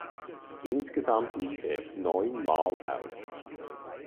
Insgesamt lief er neunmal auf.